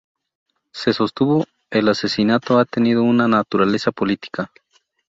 Se sostuvo el asesinato ha tenido una naturaleza política.